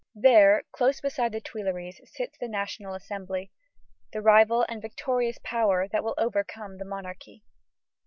There, close beside the Tuileries, sits the National Assembly, the rival and victorious power that will overcome the monarchy.